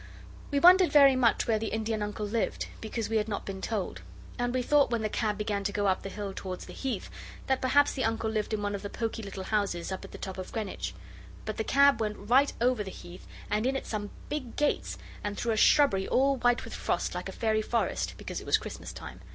We wondered very much where the Indian Uncle lived, because we had not been told. And we thought when the cab began to go up the hill towards the Heath that perhaps the Uncle lived in one of the poky little houses up at the top of Greenwich. But the cab went right over the Heath and in at some big gates, and through a shrubbery all white with frost like a fairy forest, because it was Christmas time.